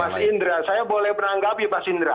mas indra saya boleh menanggapi mas indra